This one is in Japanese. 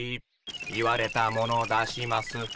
言われたもの出します。